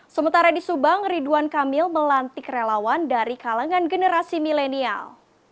sementara di subang ridwan kamil melantik relawan dari kalangan generasi milenial